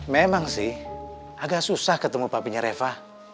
memang sih agak susah ketemu papinya reva